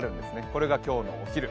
これが今日のお昼。